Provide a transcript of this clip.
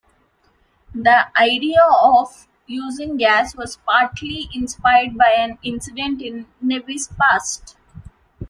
The idea of using gas was partly inspired by an incident in Nebe's past.